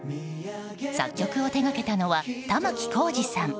作曲を手掛けたのは玉置浩二さん。